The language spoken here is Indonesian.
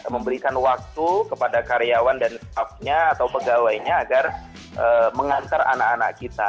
memberikan waktu kepada karyawan dan staffnya atau pegawainya agar mengantar anak anak kita